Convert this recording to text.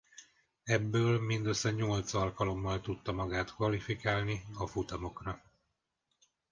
Ebből mindössze nyolc alkalommal tudta magát kvalifikálni a futamokra.